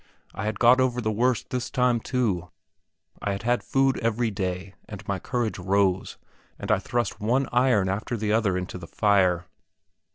I had got over the worst this time, too. I had had food every day, and my courage rose, and I thrust one iron after the other into the fire.